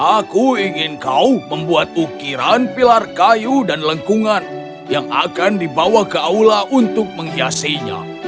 aku ingin kau membuat ukiran pilar kayu dan lengkungan yang akan dibawa ke aula untuk menghiasinya